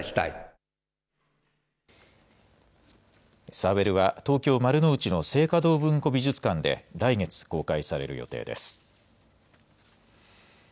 サーベルは、東京・丸の内の静嘉堂文庫美術館で、来月公開される予定です。